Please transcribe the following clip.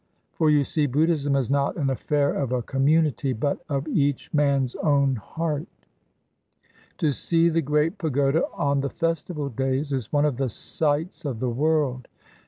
For, you see, Buddhism is not an affair of a community, but of each man's own heart. To see the great pagoda on the festival days is one of the sights of the world.